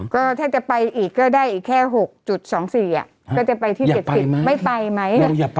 ก็ถ้าจะไปอีกก็ได้อีกแค่๖๒๔ก็จะไปที่๗๐ไม่ไปไหม